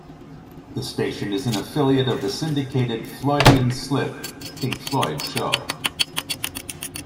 The station is an affiliate of the syndicated Floydian Slip Pink Floyd show.